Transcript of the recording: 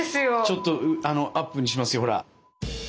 ちょっとアップにしますよほら。